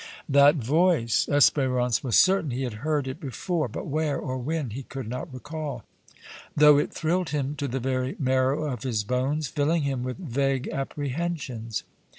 That voice! Espérance was certain he had heard it before, but where or when he could not recall, though it thrilled him to the very marrow of his bones, filling him with vague apprehensions.